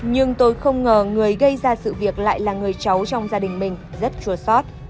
nhưng tôi không ngờ người gây ra sự việc lại là người cháu trong gia đình mình rất chùa sót